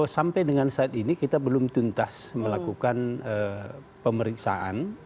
sampai dengan saat ini kita belum tuntas melakukan pemeriksaan